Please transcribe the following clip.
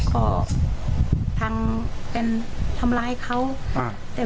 เขาโทรมาจับแม่